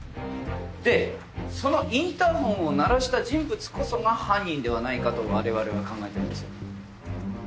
でそのインターホンを鳴らした人物こそが犯人ではないかとわれわれは考えてるんですよ。